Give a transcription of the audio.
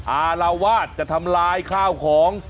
อารวาสจะทำลายข้าวของ